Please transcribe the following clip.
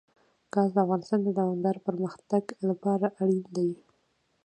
ګاز د افغانستان د دوامداره پرمختګ لپاره اړین دي.